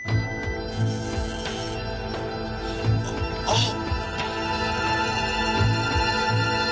あっ！